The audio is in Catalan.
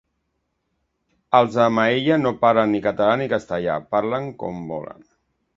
Els de Maella no parlen ni català ni castellà: parlen com volen.